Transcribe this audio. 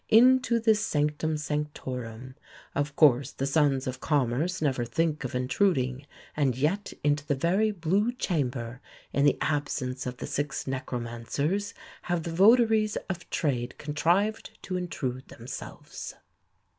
Into this sanctum sanctorum, of course, the sons of commerce never think of intruding; and yet into the very 'blue chamber,' in the absence of the six necromancers, have the votaries of trade contrived to intrude themselves."